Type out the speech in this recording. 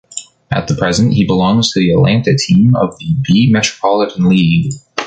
At the present, he belongs to the Atlanta team of the B Metropolitan League.